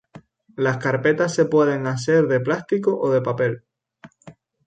Las carpetas se pueden hacer de plástico o de papel.